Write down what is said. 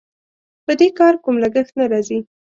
په دې کار کوم لګښت نه راځي.